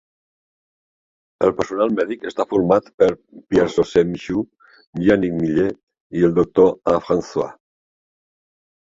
El personal mèdic està format per Pierre-Saucet Michou, Yannick Millet i el doctor A. Francois.